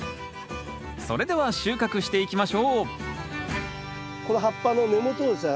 それでは収穫していきましょうこの葉っぱの根元をですね